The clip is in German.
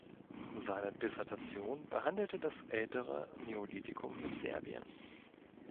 Seine Dissertation behandelte „Das ältere Neolithikum in Serbien“.